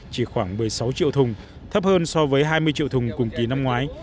chỉ khoảng một mươi sáu triệu thùng thấp hơn so với hai mươi triệu thùng cùng kỳ năm ngoái